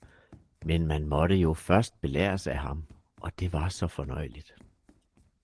men man måtte jo først belæres af ham, og det var så fornøjeligt.